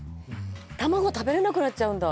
卵食べれなくなっちゃうんだ。